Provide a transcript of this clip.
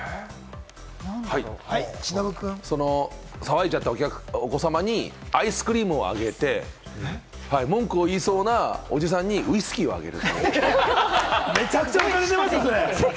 騒いじゃったお子様にアイスクリームあげて、文句を言いそうなおじさんにウイスキーをあげる。